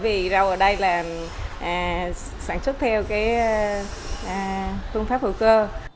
vì rau ở đây là sản xuất theo phương pháp hữu cơ